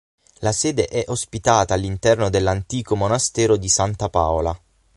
La sede è ospitata all'interno dell'antico monastero di Santa Paola.